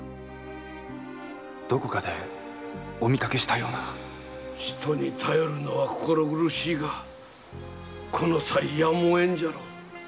どこかでお見かけしたような人に頼るのは心苦しいがこの際やむをえぬじゃろう。